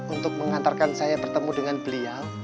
untuk mengantarkan saya bertemu dengan beliau